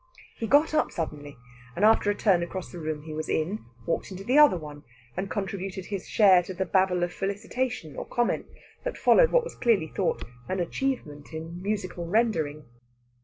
He got up suddenly, and after a turn across the room he was in, walked into the other one, and contributed his share to the babble of felicitation or comment that followed what was clearly thought an achievement in musical rendering.